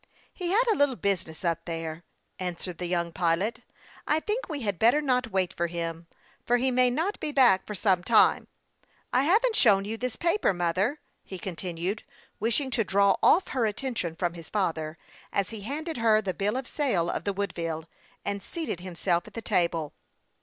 " He had a little business up there," answered the young pilot. " I think we had better not wait for him, for he may not be back for some time. I haven't shown you this paper, mother," he continued, wishing to draw off her attention from his father, as he handed her the bill of sale of the "Woodville, and seated himself at the table.